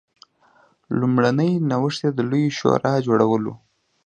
لومړنی نوښت د لویې شورا جوړول و.